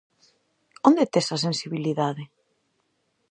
Onde tes a sensibilidade?